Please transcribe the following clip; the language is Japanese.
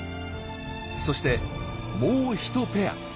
そしてもう１ペア。